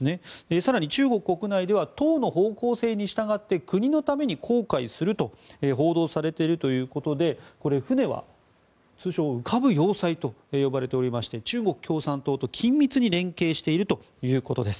更に、中国国内では党の方向性に従って国のために航海すると報道されているということでこれ、船は通称・浮かぶ要塞と呼ばれておりまして中国共産党と緊密に連携しているということです。